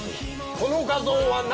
この画像は何？